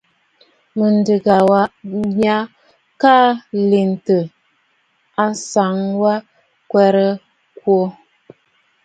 Mɨ̀ndɨgə mya kɔʼɔ lɨmtə ànsaŋ wa ŋkwerə a kwô.